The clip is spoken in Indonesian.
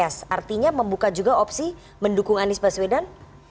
apakah itu juga membuka juga opsi mendukung anies baswedan